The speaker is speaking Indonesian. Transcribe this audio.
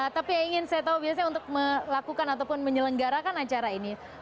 tapi yang ingin saya tahu biasanya untuk melakukan ataupun menyelenggarakan acara ini